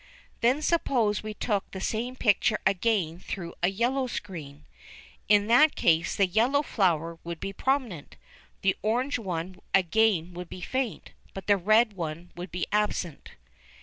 Then suppose we took the same picture again through a yellow screen. In that case the yellow flower would be prominent, the orange would again be faint, but the red would be absent.